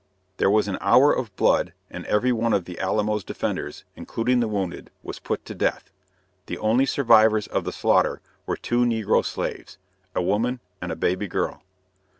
There was an hour of blood, and every one of the Alamo's defenders, including the wounded, was put to death. The only survivors of the slaughter were two negro slaves, a woman, and a baby girl.